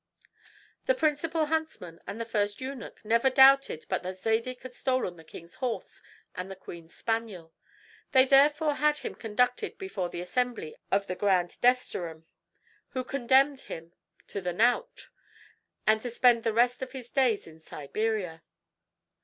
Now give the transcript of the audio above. The principal huntsman and the first eunuch never doubted but that Zadig had stolen the king's horse and the queen's spaniel. They therefore had him conducted before the assembly of the grand desterham, who condemned him to the knout, and to spend the rest of his days in Siberia.